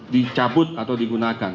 dicabut atau digunakan